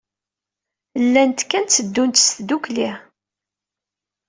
Llant kan tteddun ddukkli.